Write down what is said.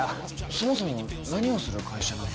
そもそも何をする会社なの？